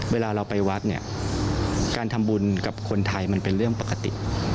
เวลาเราไปวัดเนี่ยการทำบุญกับคนไทยมันเป็นเรื่องปกติ